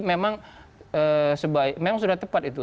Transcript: memang sebaiknya memang sudah tepat itu